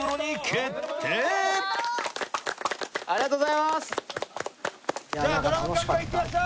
ありがとうございます。